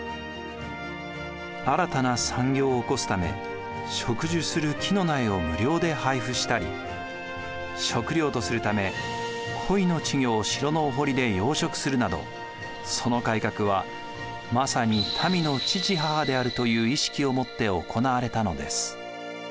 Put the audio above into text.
新たな産業を興すため植樹する木の苗を無料で配布したり食料とするため鯉の稚魚を城のお堀で養殖するなどその改革はまさに民の父母であるという意識を持って行われたのです。